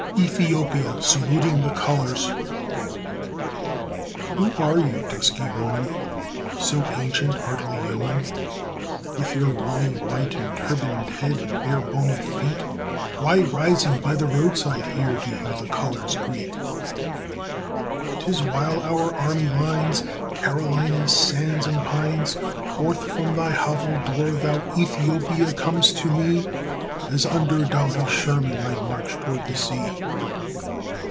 ETHIOPIA SALUTING THE COLORS Who are you dusky woman, so ancient hardly human, With your woolly white and turban'd head, and bare bony feet? Why rising by the roadside here, do you the colors greet? ('Tis while our army lines Carolina's sands and pines, Forth from thy hovel door thou Ethiopia com'st to me, As under doughty Sherman I march toward the sea.)